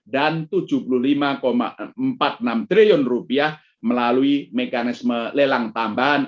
rp tujuh puluh lima empat puluh enam triliun melalui mekanisme lelang tambahan